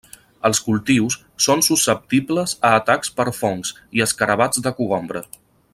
Els cultius són susceptibles a atacs per fongs, i escarabats de cogombre.